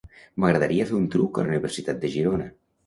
M'agradaria fer un truc a la Universitat de Girona.